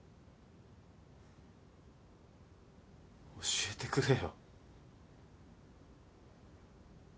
教えてくれよ。